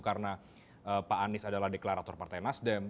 karena pak anies adalah deklarator partai nasdem